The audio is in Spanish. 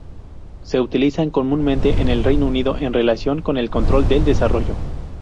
Se utilizan comúnmente en el Reino Unido en relación con el control del desarrollo.